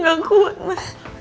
gak kuat ma